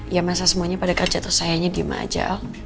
ya masa semuanya pada kerja terus sayanya diem aja